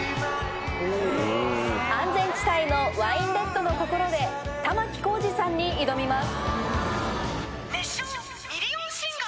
安全地帯のワインレッドの心で玉置浩二さんに挑みます。